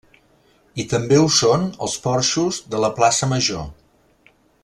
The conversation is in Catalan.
I també ho són els porxos de la Plaça Major.